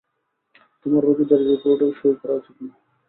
তোমার রোগীদের রিপোর্টেও সই করা উচিত না।